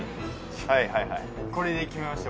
はいはいはいこれに決めました